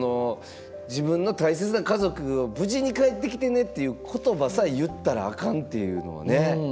自分の大切な家族に無事に帰ってきてねっていう言葉さえ言ったらあかんというのはね。